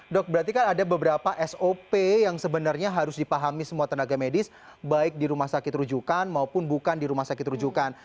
dok berarti kan ada beberapa sop yang sebenarnya harus dipahami semua tenaga medis baik di rumah sakit rujukan maupun bukan di rumah sakit rujukan